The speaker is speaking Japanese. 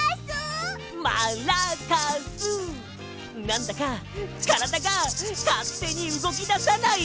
なんだかからだがかってにうごきださない？